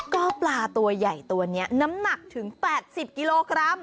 ก็ปลาตัวใหญ่ตัวนี้น้ำหนักถึง๘๐กิโลกรัม